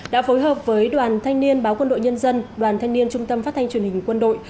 đã phối hợp với đoàn thanh niên báo quân đội nhân dân đoàn thanh niên trung tâm phát thanh truyền hình quân đội